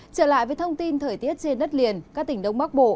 trở lại với thông tin thời tiết trên đất liền các tỉnh đông bắc bộ